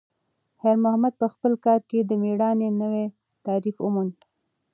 خیر محمد په خپل کار کې د میړانې نوی تعریف وموند.